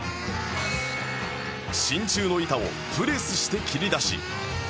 真鍮の板をプレスして切り出し